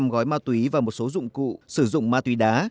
ba mươi năm gói ma túy và một số dụng cụ sử dụng ma túy đá